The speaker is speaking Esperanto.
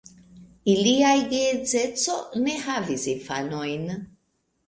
Ilia geedzeco ne havis infanojn.